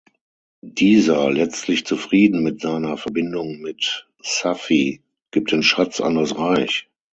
Dieser, letztlich zufrieden mit seiner Verbindung mit Saffi, gibt den Schatz an das Reich.